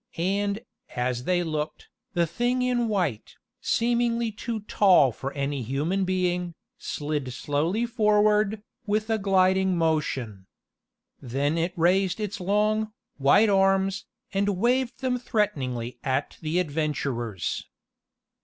And, as they looked, the thing in white, seemingly too tall for any human being, slid slowly forward, with a gliding motion. Then it raised its long, white arms, and waved them threateningly at the adventurers.